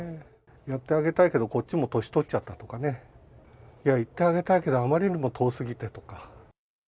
やってあげたいけど、こっちも年取っちゃったとか、行ってあげたいけど、あまりにも遠すぎてとか。